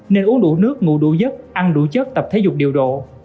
nên uống đủ nước ngủ đủ giấc ăn đủ chất tập thể dục điều độ